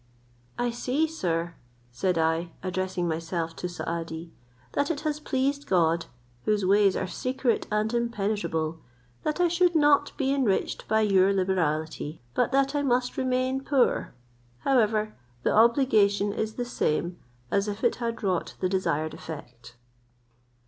"I see, sir," said I, addressing myself to Saadi, "that it has pleased God, whose ways are secret and impenetrable, that I should not be enriched by your liberality, but that I must remain poor: however, the obligation is the same as if it had wrought the desired effect."